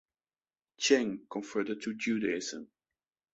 Chang converted to Judaism.